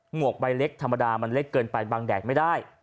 หวกใบเล็กธรรมดามันเล็กเกินไปบังแดดไม่ได้